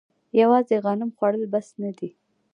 یوازې غنم خوړل بس نه دي.